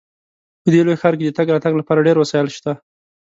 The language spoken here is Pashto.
په دې لوی ښار کې د تګ راتګ لپاره ډیر وسایل شته